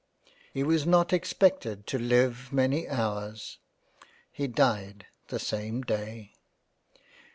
He was not expected to live many Hours ; he died the same day.